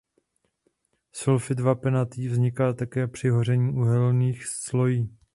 Sulfid vápenatý vzniká také při hoření uhelných slojí.